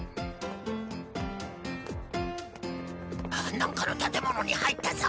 何かの建物に入ったぞ！